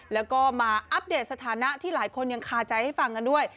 แล้วก็มาอัปเดตสถานะที่หลายคนยังคาใจให้ฟังกันด้วย